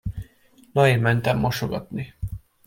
Na én mentem mosogatni.